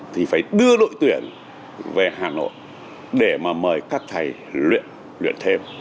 thì phải đưa đội tuyển về hà nội để mà mời các thầy luyện luyện thêm